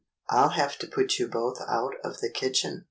I '11 have to put you both out of the kitchen."